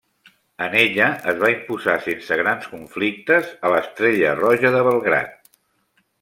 En ella es va imposar sense grans conflictes a l'Estrella Roja de Belgrad.